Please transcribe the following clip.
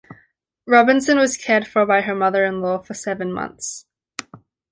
Robinson was cared for by her mother-in-law for seven months.